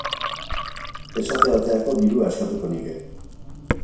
Esate baterako, dirua eskatuko nieke.